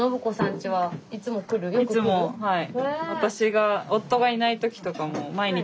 いつもはい。